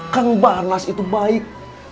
kang barnas itu baik